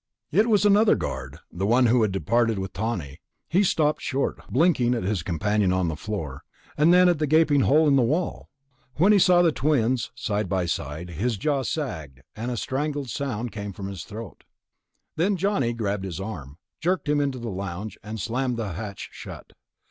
It was another guard, the one who had departed with Tawney. He stopped short, blinking at his companion on the floor, and then at the gaping hole in the wall. When he saw the twins, side by side, his jaw sagged and a strangled sound came from his throat. Then Johnny grabbed his arm, jerked him into the lounge, and slammed the hatch shut.